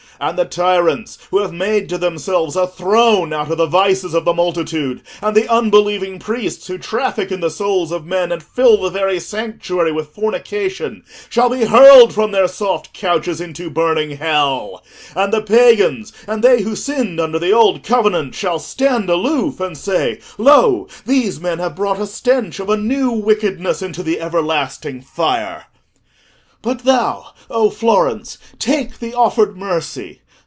And the tyrants who have made to themselves a throne out of the vices of the multitude, and the unbelieving priests who traffic in the souls of men and fill the very sanctuary with fornication, shall be hurled from their soft couches into burning hell; and the pagans and they who sinned under the old covenant shall stand aloof and say: 'Lo, these men have brought the stench of a new wickedness into the everlasting fire.' "But thou, O Florence, take the offered mercy.